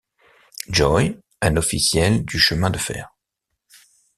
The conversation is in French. Joy, un officiel du chemin de fer.